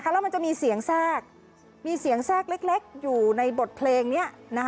แล้วมันจะมีเสียงแทรกมีเสียงแทรกเล็กอยู่ในบทเพลงนี้